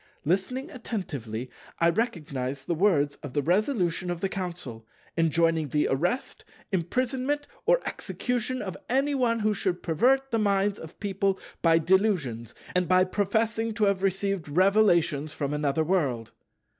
Listening attentively, I recognized the words of the Resolution of the Council, enjoining the arrest, imprisonment, or execution of any one who should pervert the minds of people by delusions, and by professing to have received revelations from another World.